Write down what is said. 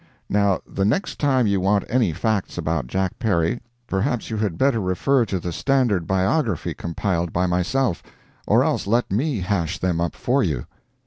Now the next time you want any facts about Jack Perry, perhaps you had better refer to the standard biography compiled by myself, or else let me hash them up for you.